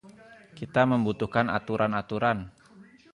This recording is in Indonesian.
Kita membutuhkan aturan-aturan.